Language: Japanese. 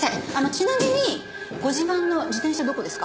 ちなみにご自慢の自転車どこですか？